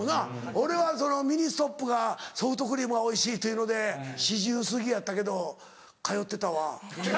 俺はミニストップがソフトクリームがおいしいというので４０すぎやったけど通ってたわ。